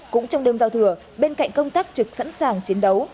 cũng trong đêm giao thừa bên cạnh công tác trực sẵn sàng chiến đấu